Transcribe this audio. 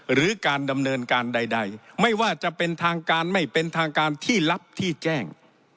หรือการดำเนินการใดไม่ว่าจะเป็นทางการไม่เป็นทางการที่รับที่แจ้ง